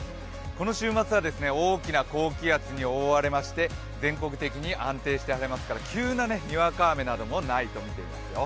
この週末は、大きな高気圧に覆われまして、全国的に安定して晴れますから急なにわか雨なんかもないとみていますよ。